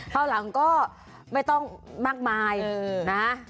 ราวหลังก็ไม่ต้องมากมายนะ